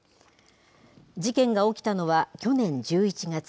事件が起きたのは去年１１月。